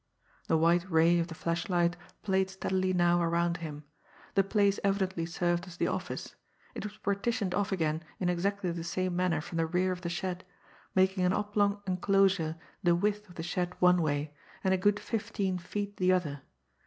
The white ray of the flashlight played steadily now around him. The place evidently served as the office; it was partitioned off again in exactly the same manner from the rear of the shed, making an oblong enclosure the width of the shed one way, and a good fifteen feet the other.